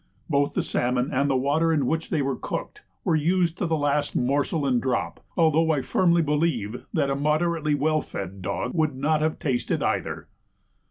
Both the salmon, and the water in which they were cooked, were used to the last morsel and drop, although I firmly believe that a moderately well fed dog would not have tasted either.